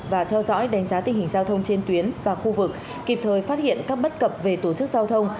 và theo dõi đánh giá tình hình giao thông trên tuyến và khu vực kịp thời phát hiện các bất cập về tổ chức giao thông